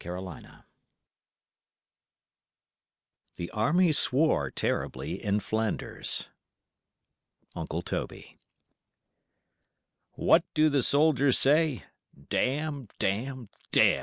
GROUSING "The army swore terribly in Flanders." UNCLE TOBY. What do the soldiers say? "Dam! Dam! Dam!